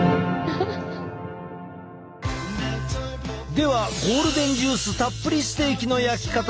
ではゴールデンジュースたっぷりステーキの焼き方だ。